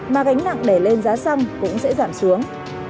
mà gánh nặng để lên giá xăng cũng sẽ giảm xuống